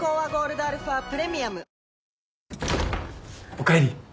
おかえり。